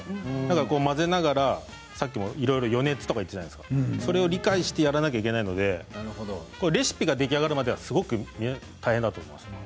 混ぜながら先ほども余熱と言っていましたがそれを理解してやらなければいけないのでレシピが出来上がるまですごく大変だと思います。